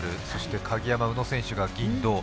そして鍵山・宇野選手が銀・銅。